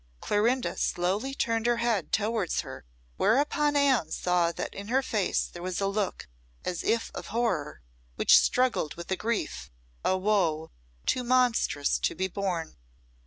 Clorinda slowly turned her head towards her, whereupon Anne saw that in her face there was a look as if of horror which struggled with a grief, a woe, too monstrous to be borne.